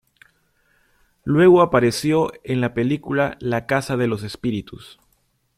Luego apareció en la película La casa de los espíritus.